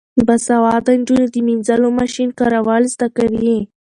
باسواده نجونې د مینځلو ماشین کارول زده کوي.